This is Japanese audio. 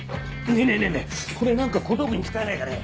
ねぇねぇこれ何か小道具に使えないかね？